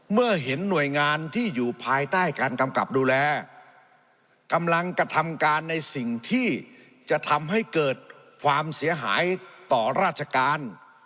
เมื่อเห็นหน่วยงานที่อยู่ภายใต้การกำกับดูแลกำลังกระทำการในสิ่งที่จะทำให้เกิดความเสียหายต่อราชการ